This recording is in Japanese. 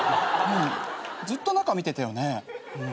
ずっと中見てたよね。